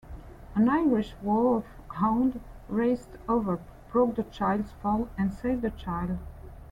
An Irish Wolfhound raced over, broke the child's fall and saved the child.